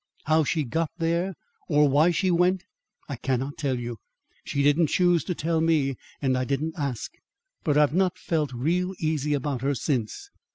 How she got there or why she went, I cannot tell you. She didn't choose to tell me, and I didn't ask. But I've not felt real easy about her since."